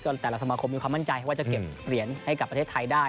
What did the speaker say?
แต่ละสมาคมมีความมั่นใจว่าจะเก็บเหรียญให้กับประเทศไทยได้